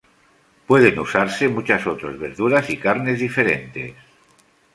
Pueden usarse muchos otras verduras y carnes diferentes.